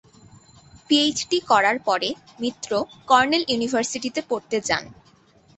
PhD করার পরে Mitra Cornell ইউনিভার্সিটিতে পড়তে যান।